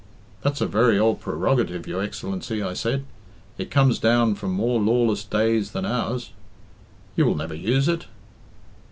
'That's a very old prerogative, your Excellency,' I said; 'it comes down from more lawless days than ours. You will never use it.'